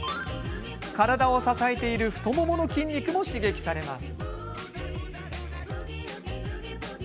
体を支えている太ももの筋肉も刺激されます。